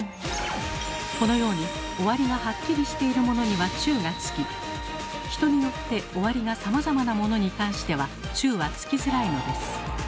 このように終わりがハッキリしているものには「中」がつき人によって終わりがさまざまなものに関しては「中」はつきづらいのです。